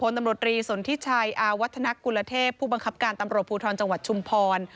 ตำรวจรีสนทิชัยอาวัฒนกุลเทพผู้บังคับการตำรวจภูทรจังหวัดชุมพร